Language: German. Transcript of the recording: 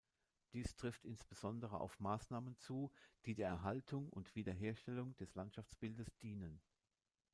Dies trifft insbesondere auf Maßnahmen zu, die der Erhaltung und Wiederherstellung des Landschaftsbildes dienen.